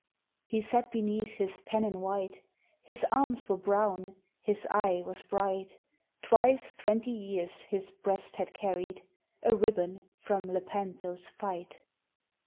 He sat beneath his pennon white; His arms were brown, his eye was bright; Twice twenty years his breast had carried A ribbon from Lepanto's fight.